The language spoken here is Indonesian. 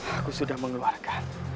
aku sudah mengeluarkan